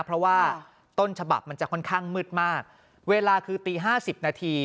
เพราะว่าต้นฉบับมันจะค่อนข้างมืดมากเวลาคือตีห้าสิบนาที